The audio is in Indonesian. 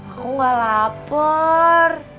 aku gak lapar